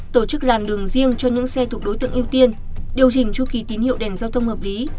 tổ chức làn đường riêng cho những xe thuộc đối tượng ưu tiên điều chỉnh chu kỳ tín hiệu đèn giao thông hợp lý